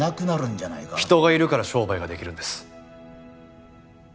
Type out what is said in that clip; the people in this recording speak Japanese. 人がいるから商売ができるんです。